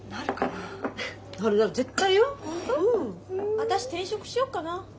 私転職しようかな。